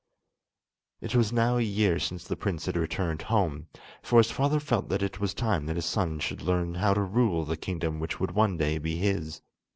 It was now a year since the prince had returned home, for his father felt that it was time that his son should learn how to rule the kingdom which would one day be his.